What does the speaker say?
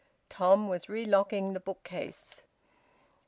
Tom was relocking the bookcase.